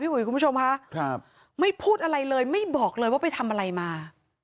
อุ๋ยคุณผู้ชมค่ะไม่พูดอะไรเลยไม่บอกเลยว่าไปทำอะไรมา